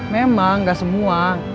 memang gak semua